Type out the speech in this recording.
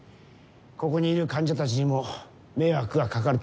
ここにいる患者たちにも迷惑がかかると。